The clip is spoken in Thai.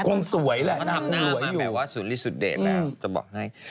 คงสวยแหละเขาทำหน้ามันแปลว่าสุริสุดเด็ดแหละจะบอกให้